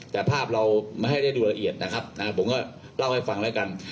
แต่ภาพเราไม่ให้ได้ดูละเอียดนะครับผมก็เล่าให้ฟังแล้วกัน